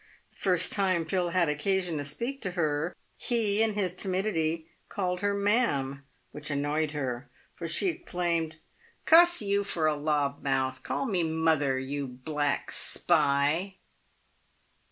The first time Phil had occasion to speak to her, he, in his timidity, called her " ma'am," which annoyed her, for she exclaimed, " Cuss you for a lobb mouth. Call me mother, you black spy."